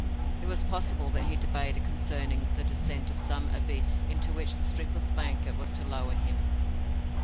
It was possible that he debated concerning the descent of some abyss into which the strip of blanket was to lower him.